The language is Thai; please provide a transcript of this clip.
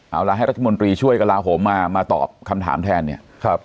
เอาละให้รัฐมนตรีช่วยกระลาโหมมามาตอบคำถามแทนเนี่ย